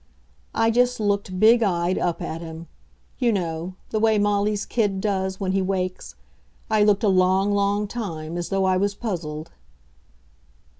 I just looked, big eyed, up at him. You know; the way Molly's kid does, when he wakes. I looked a long, long time, as though I was puzzled.